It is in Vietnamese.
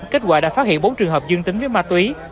kết quả đã phát hiện bốn trường hợp dương tính với ma túy